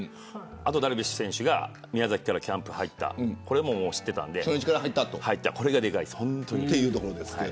あとダルビッシュ選手が宮崎からキャンプに入ったのも知っていたのでこれが、でかいです。